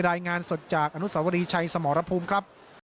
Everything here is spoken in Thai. รายงานสดจากอนุสาวรีชัยสมรภูมิครับ